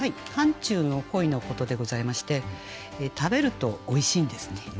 寒中の鯉のことでございまして食べるとおいしいんですね。